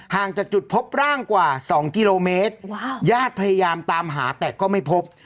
ห่างจากจุดพบร่างกว่า๒กิโลเมตรญาติพยายามตามหาแต่ก็ไม่พบ